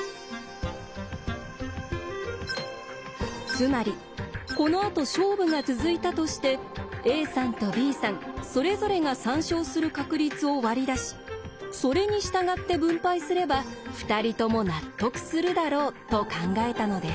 つまりこのあと勝負が続いたとしてＡさんとＢさんそれぞれが３勝する確率を割り出しそれに従って分配すれば２人とも納得するだろうと考えたのです。